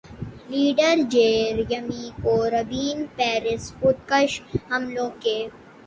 leader Jeremy Corbyn Paris خودکش حملوں کے